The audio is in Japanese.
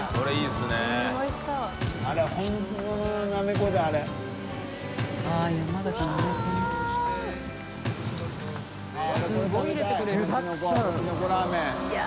すごい入れてくれる。